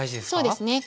そうですね。